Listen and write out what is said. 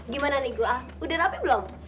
gimana nih gue udah rapi belum